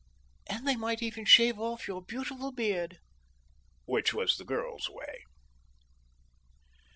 "And they might even shave off your beautiful beard." Which was the girl's way.